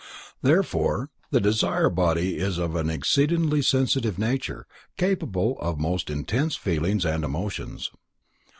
Therefore the desire body is of an exceedingly sensitive nature, capable of most intense feelings and emotions.